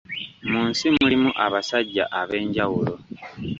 Mu nsi mulimu abasajja ab'enjawulo!